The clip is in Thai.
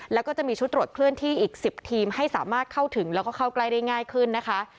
แล้วก็จะมีชุดตรวจเคลื่อนที่อีก๑๐ทีมให้สามารถเข้าถึงแล้วก็เข้าใกล้ได้ง่ายขึ้นนะคะ